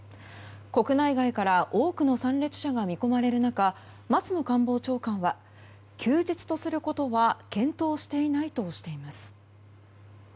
国内外から多くの参列者が見込まれる中、松野官房長官は休日とすることは検討していないとしています。